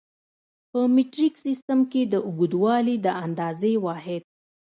په مټریک سیسټم کې د اوږدوالي د اندازې واحد